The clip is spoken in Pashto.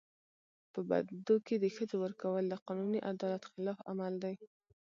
په بدو کي د ښځو ورکول د قانوني عدالت خلاف عمل دی.